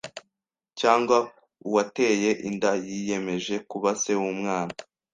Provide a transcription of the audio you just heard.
cyangwa uwateye inda yiyemeje kuba se w’umwana